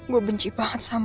gue benci banget sama lo rick